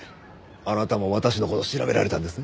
あなたも私の事調べられたんですね？